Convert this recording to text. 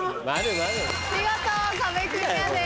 見事壁クリアです。